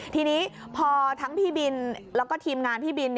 ทีนี้พอทั้งพี่บินแล้วก็ทีมงานพี่บิน